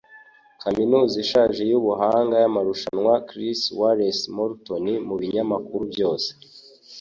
Kaminuza ishaje yubuhanga amarushanwa chris Wallace Morton mubinyamakuru byose.